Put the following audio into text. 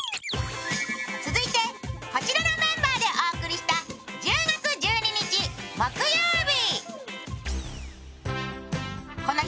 続いてこちらのメンバーでお送りした１０月１２日木曜日。